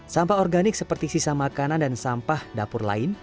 sampah organik seperti sisa makanan dan sampah dapur lain